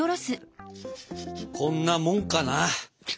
こんなモンかな？